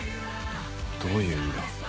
どういう意味だ？